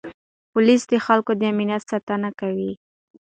پولیس د خلکو د امنیت ساتنه کوي.